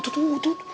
itu tuh tuh